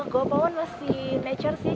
gua pawon masih nature sih